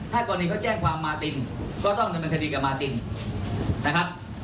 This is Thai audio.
ถ้ากรณีเขาแจ้งความมาตินก็ต้องดำเนินคดีกับมาตินนะครับ